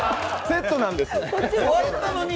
セットなんです。